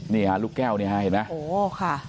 นี่ฮะลูกแก้วนี่ฮะเห็นไหมโอ้โหค่ะ